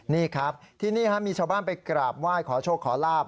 นี่ครับที่นี่มีชาวบ้านไปกราบไหว้ขอโชคขอลาบ